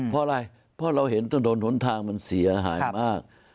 เพราะอะไรเพราะเราเห็นถนนหนทางมันเสียหายมาก